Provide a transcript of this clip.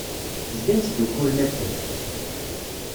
Zgan ttdukkulen akken.